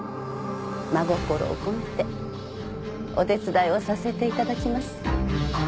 真心を込めてお手伝いをさせていただきます。